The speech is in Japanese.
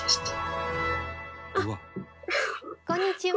こんにちは。